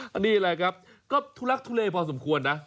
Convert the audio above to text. อันนี้อะไรครับก็ทุลักทุเลพอสมควรนะ